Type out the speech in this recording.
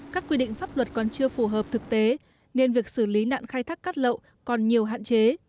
các quy định pháp luật còn chưa phù hợp thực tế nên việc xử lý nạn khai thác cát lậu còn nhiều hạn chế